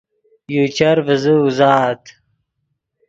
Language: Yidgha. یو چر ڤیزے اوزات